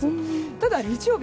ただ、日曜日